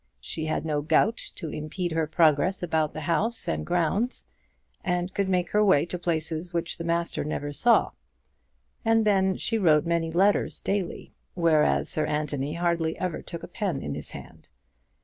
She had no gout to impede her progress about the house and grounds, and could make her way to places which the master never saw; and then she wrote many letters daily, whereas Sir Anthony hardly ever took a pen in his hand.